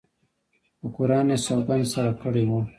په قرآن یې سوګند سره کړی وو.